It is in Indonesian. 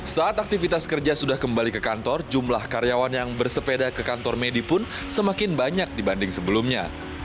saat aktivitas kerja sudah kembali ke kantor jumlah karyawan yang bersepeda ke kantor medi pun semakin banyak dibanding sebelumnya